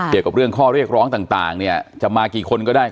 เกี่ยวกับเรื่องข้อเรียกร้องต่างเนี่ยจะมากี่คนก็ได้